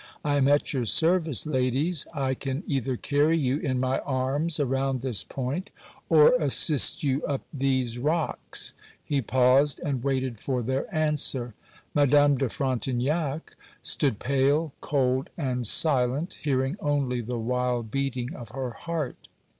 'I am at your service, ladies; I can either carry you in my arms around this point, or assist you up these rocks.' He paused and waited for their answer. Madame de Frontignac stood pale, cold, and silent, hearing only the wild beating of her heart.